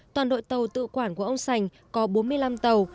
toàn đội tàu tự quản của ông sành có bốn mươi năm tàu